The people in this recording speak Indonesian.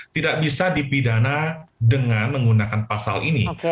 tidak bisa dipidana dengan menggunakan pasal ini